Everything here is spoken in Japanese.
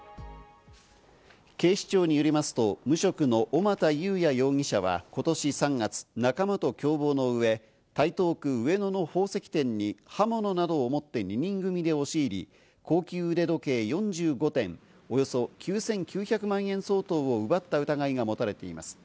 警視庁によりますと、無職の小俣裕哉容疑者は今年３月、仲間と共謀のうえ、台東区上野の宝石店に刃物などを持って２人組で押し入り、高級腕時計４５点、およそ９９００万円相当を奪った疑いが持たれています。